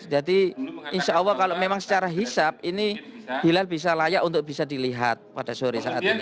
jadi insya allah kalau memang secara hisap ini hilal bisa layak untuk bisa dilihat pada sore saat ini